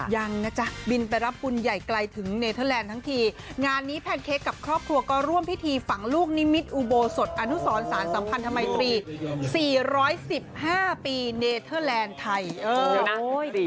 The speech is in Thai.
ยังนะจ๊ะบินไปรับบุญใหญ่ไกลถึงเนเทอร์แลนด์ทั้งทีงานนี้แพนเค้กกับครอบครัวก็ร่วมพิธีฝังลูกนิมิตรอุโบสถอนุสรสารสัมพันธมัยตรี๔๑๕ปีเนเทอร์แลนด์ไทยเออนะ